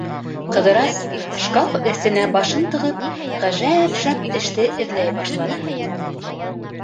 Ҡыҙырас, шкаф эсенә башын тығып, ғәжәп шәп эште эҙләй башланы.